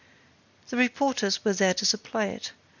The reporters were there to supply it.